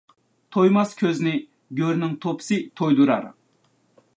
تويماس كۆزنى گۆرنىڭ توپىسى تويدۇرار.